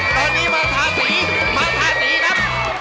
ตอนนี้มาทาสีมาทาสีครับ